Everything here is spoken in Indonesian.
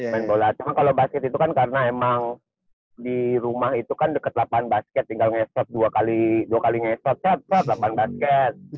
main bola cuma kalau basket itu kan karena emang di rumah itu kan deket lapangan basket tinggal ngehsot dua kali ngehsot cap cap delapan basket